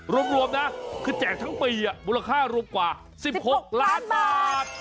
รวมนะคือแจกทั้งปีมูลค่ารวมกว่า๑๖ล้านบาท